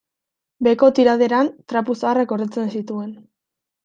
Beheko tiraderan trapu zaharrak gordetzen zituen.